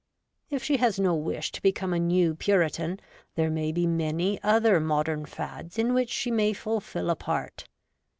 If she has no wish to become a New Puritan, 8 REVOLTED WOMAN. there be many other modern fads in which she may fulfil a part.